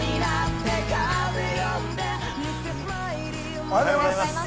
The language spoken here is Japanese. おはようございます。